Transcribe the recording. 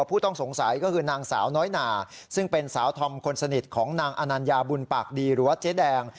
ผู้ต้องสงสัยก็คือนางสาวน้อยหนาซึ่งเป็นสาวธอมคนสนิทของนางอนัญญาบุญปากดีหรือว่าเจ๊แดง